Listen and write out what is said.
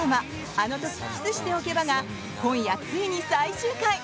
「あのときキスしておけば」が今夜ついに最終回！